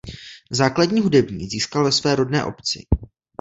Základní hudební získal ve své rodné obci.